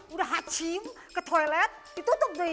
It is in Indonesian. udah hacing ke toilet ditutup deh